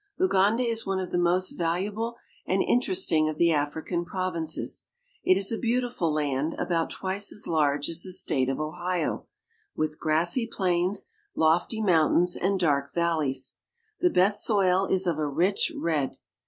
Uganda is one of the most valuable and interesting of the African provinces. It is a beautiful land about twice as large as the State of Ohio, with grassy plains, lofty mountains, and dark valleys. The best soil is of a rich red.